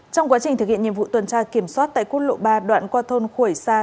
trong quá trình thực hiện nhiệm vụ tuần tra kiểm soát tại quốc lộ ba đoạn qua thôn khuẩy sa